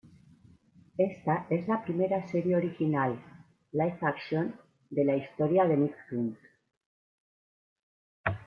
Esta es la primera serie original live-action de la historia de Nicktoons.